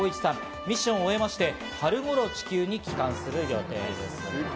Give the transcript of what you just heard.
ミッションを終えまして春頃、地球に帰還する予定です。